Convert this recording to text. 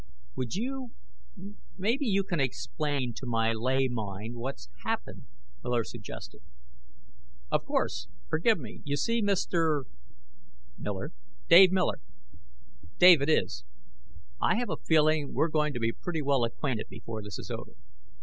"Would you maybe you can explain to my lay mind what's happened," Miller suggested. "Of course. Forgive me. You see, Mr. " "Miller. Dave Miller." "Dave it is. I have a feeling we're going to be pretty well acquainted before this is over.